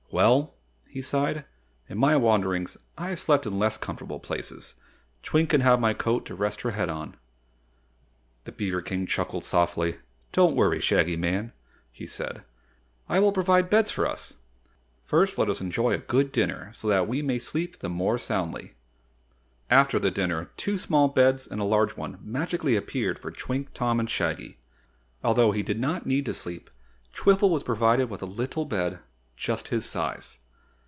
"Well," he sighed, "in my wanderings I have slept in less comfortable places. Twink can have my coat to rest her head on." The beaver King chuckled softly. "Don't worry, Shaggy Man," he said, "I will provide beds for us. First let us enjoy a good dinner so that we will sleep the more soundly." After the dinner two small beds and a large one magically appeared for Twink, Tom, and Shaggy. Although he did not need to sleep, Twiffle was provided with a little bed just his size.